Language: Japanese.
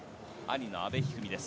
兄の阿部一二三です。